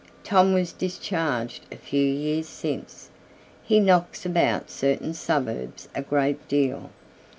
Tom was discharged a few years since. He knocks about certain suburbs a good deal.